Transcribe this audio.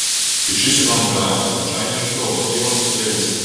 Пішыце нам пра незвычайных жывёл, якія вам сустрэліся.